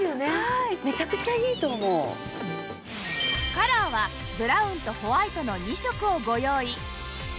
カラーはブラウンとホワイトの２色をご用意